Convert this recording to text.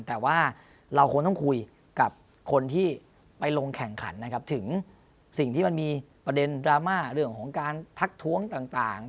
แต่ว่าเราควรต้องคุยกับคนที่ไปลงแข่งขันนะครับถึงสิ่งที่มันมีประเด็นดราม่าเรื่องของการทักท้วงต่าง